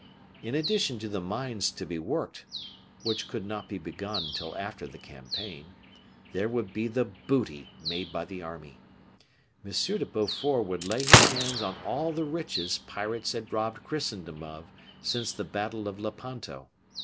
In addition to the mines to be worked which could not be begun till after the campaign there would be the booty made by the army. M. de Beaufort would lay his hands on all the riches pirates had robbed Christendom of since the battle of Lepanto.